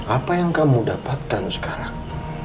apa yang kamu dapatkan sekarang